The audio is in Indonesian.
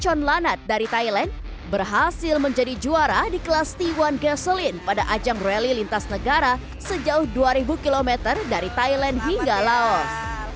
john lanat dari thailand berhasil menjadi juara di kelas t satu gastselin pada ajang rally lintas negara sejauh dua ribu km dari thailand hingga laos